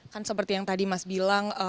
kan seperti yang tadi mas bilang